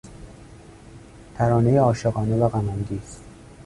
ترانهی عاشقانه و غم انگیز